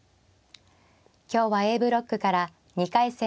今日はＡブロックから２回戦